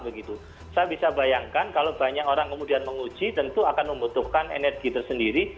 saya bisa bayangkan kalau banyak orang kemudian menguji tentu akan membutuhkan energi tersendiri